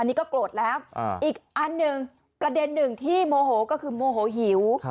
อันนี้ก็โกรธแล้วอีกอันหนึ่งประเด็นหนึ่งที่โมโหก็คือโมโหหิว